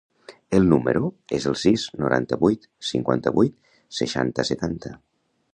El meu número es el sis, noranta-vuit, cinquanta-vuit, seixanta, setanta.